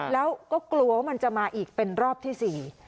แล้วก็กลัวว่ามันจะมาอีกเป็นรอบที่๔